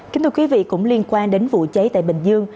kính thưa quý vị cũng liên quan đến vụ cháy tại bình dương